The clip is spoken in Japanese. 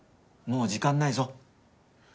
もう時間ないぞ。